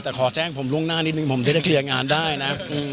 แต่ขอแจ้งผมล่วงหน้านิดนึงผมที่จะเคลียร์งานได้นะ